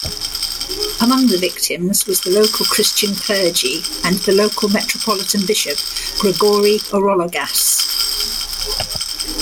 Among the victims was the Christian clergy and the local metropolitan bishop, Gregory Orologas.